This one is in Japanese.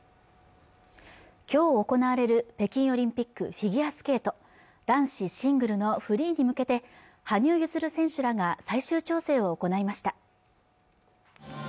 今日行われる北京オリンピックフィギュアスケート男子シングルのフリーに向けて羽生結弦選手らが最終調整を行いました